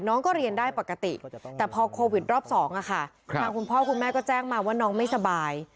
น้องก็เรียนได้ปกติแต่พอโควิดรอบ๒ทางคุณพ่อคุณแม่ก็แจ้งมาว่าน้องไม่สบาย